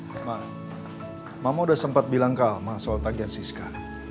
mama mama udah sempat bilang ke alma soal tagian siska